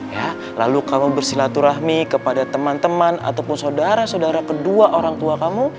ya lalu kamu bersilaturahmi kepada teman teman ataupun saudara saudara kedua orang tua kamu